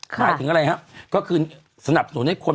หมายถึงอะไรครับก็คือสนับสนุนให้คน